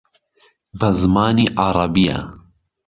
بە زمانی عەرەبییە